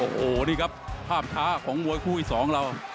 โอโหนี่ครับภาพท้าของมูลคู่ที่๒เรา